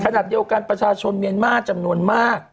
ขณะเดียวกันประชาชนเมียนมาร์จำนวนมาก